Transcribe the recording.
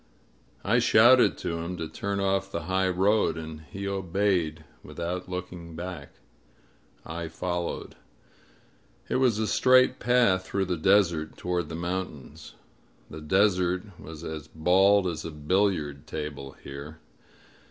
I shouted to him to turn off the high road, and he obeyed, without looking back. I followed. It was a straight path through the desert toward the mountains. The desert was as bald as a billiard table here.